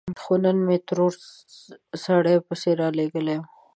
خو نن مې ترور سړی پسې رالېږلی و.